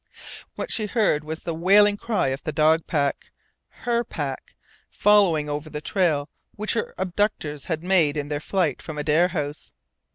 What she heard was the wailing cry of the dog pack, her pack, following over the trail which her abductors had made in their flight from Adare House!